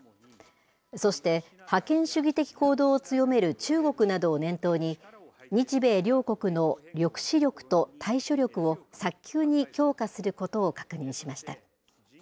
そして、覇権主義的行動を強める中国などを念頭に、日米両国の抑止力と対処力を早急に強化することを確認しました。